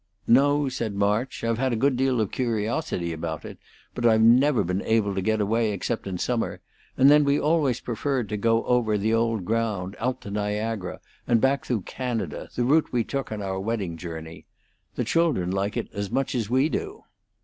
"No," said March. "I've had a good deal of curiosity about it, but I've never been able to get away except in summer, and then we always preferred to go over the old ground, out to Niagara and back through Canada, the route we took on our wedding journey. The children like it as much as we do."